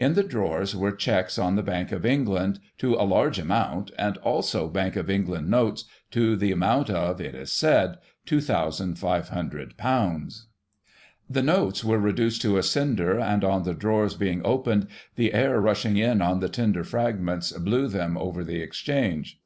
In the drawers were cheques on the Bank of England to a large amount, and also Bank of England notes to the amotmt of, it is said, £2,^60. The notes were reduced to a cinder, and, on the drawers being opened, the air rushing in on the tender fragments blew them over the Exchange.